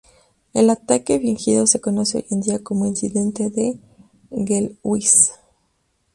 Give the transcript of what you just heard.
El ataque fingido se conoce hoy en día como Incidente de Gliwice.